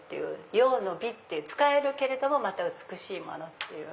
用の美って使えるけれどもまた美しいもの。